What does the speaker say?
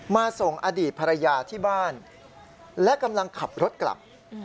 ส่งอดีตภรรยาที่บ้านและกำลังขับรถกลับ